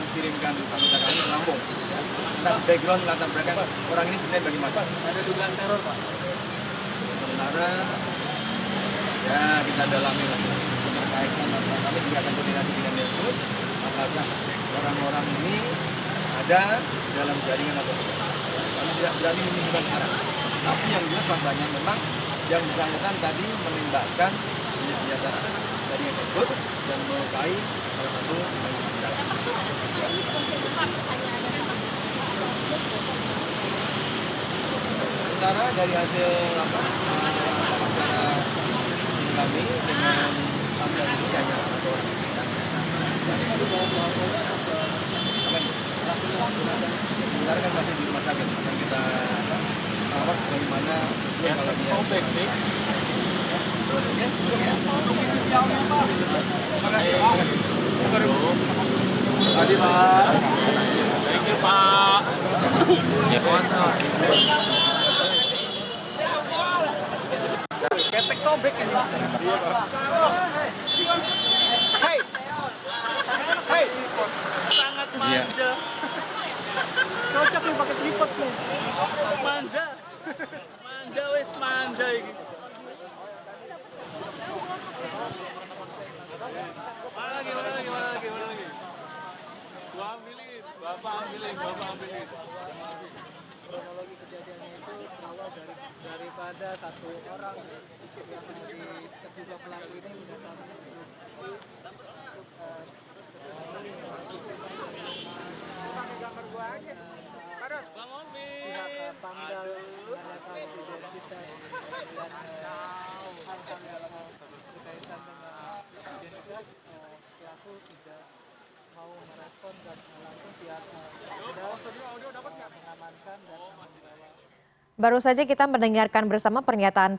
jalan proklamasi jakarta pusat